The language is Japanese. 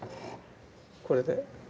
これで。